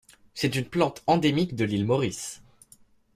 C'est une plante endémique de l'île Maurice.